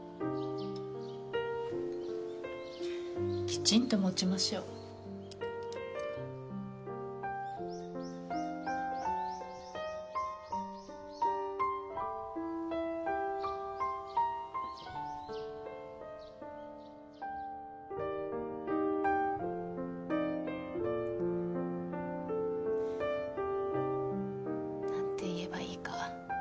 きちんと持ちましょうなんて言えばいいか。